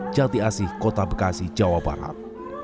jati asih kota bekasi jawa barat